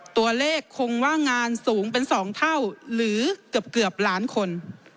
ตัวเลขคงว่างานสูงเป็น๒เท่าหรือเกือบล้านคน